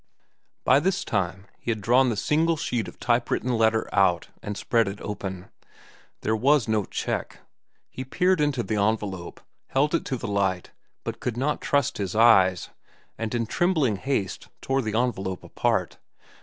By this time he had drawn the single sheet of type written letter out and spread it open. There was no check. He peered into the envelope, held it to the light, but could not trust his eyes, and in trembling haste tore the envelope apart.